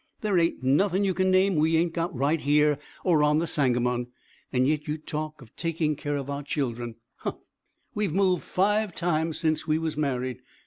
There ain't nothing you can name we ain't got right here, or on the Sangamon, yet you talk of taking care of our children. Huh! We've moved five times since we was married.